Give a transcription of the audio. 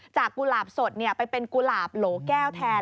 กุหลาบสดไปเป็นกุหลาบโหลแก้วแทน